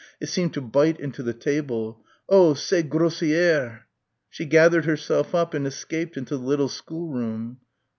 It seemed to bite into the table. "Oh, c'est grossière!" She gathered herself up and escaped into the little schoolroom.